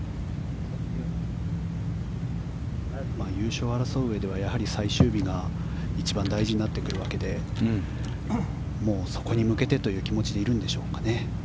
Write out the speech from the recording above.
優勝を争ううえではやはり最終日が一番大事になってくるわけでもうそこに向けてという気持ちでいるんでしょうかね。